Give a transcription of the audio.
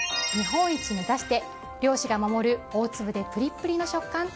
日本一目指して漁師が守る大粒でプリップリの食感。